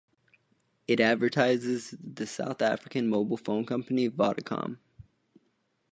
It advertises the South African mobile phone company Vodacom.